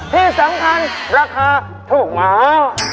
ที่สำคัญราคาถูกมาก